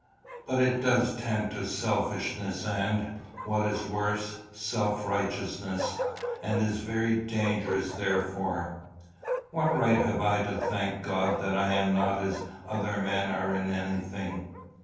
But it does tend to selfishness and, what is worse, self righteousness, and is very dangerous therefore. What right have I to thank God that I am not as other men are in anything?